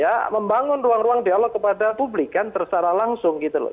ya membangun ruang ruang dialog kepada publik kan secara langsung gitu loh